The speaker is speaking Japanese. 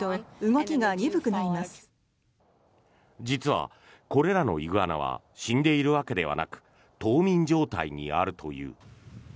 実はこれらのイグアナは死んでいるわけではなく冬眠状態にあるという。